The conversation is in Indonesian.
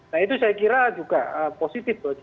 nah itu saya kira juga positif